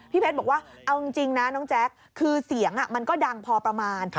เพชรบอกว่าเอาจริงนะน้องแจ๊คคือเสียงมันก็ดังพอประมาณ